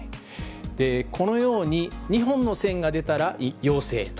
このように２本の線が出たら陽性と。